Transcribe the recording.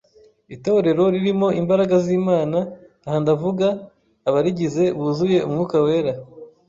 Itorero ririmo imbaraga z’Imana, aha ndavuga abarigize buzuye Umwuka wera,